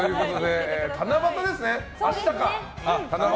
七夕ですね、明日か。